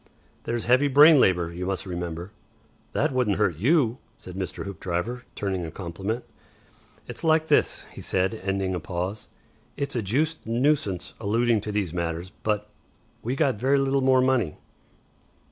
"There's heavy brain labour, you must remember." "That wouldn't hurt YOU," said Mr. Hoopdriver, turning a compliment. "It's like this," he said, ending a pause. "It's a juiced nuisance alluding to these matters, but we got very little more money."